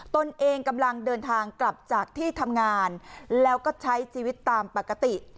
ตนเองกำลังเดินทางกลับจากที่ทำงานแล้วก็ใช้ชีวิตตามปกติ